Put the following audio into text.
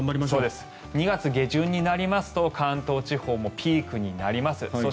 ２月下旬になりますと関東地方もピークになります。